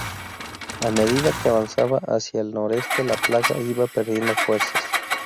A medida que avanzaba hacia el Noroeste la Plaga iba perdiendo fuerzas.